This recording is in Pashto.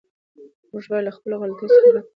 موږ باید له خپلو غلطیو څخه عبرت واخلو.